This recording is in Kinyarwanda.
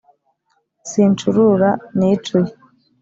sincurura nicuye